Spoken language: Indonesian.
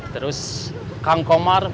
terus kang komar